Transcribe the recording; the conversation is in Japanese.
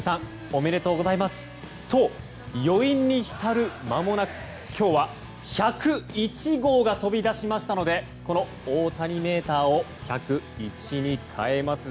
おめでとうございます！と、余韻に浸る間もなく今日は１０１号が飛び出しましたのでこの大谷メーターを１０１に変えます。